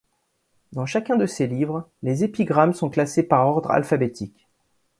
Dans chacun de ces livres, les épigrammes sont classées par ordre alphabétique.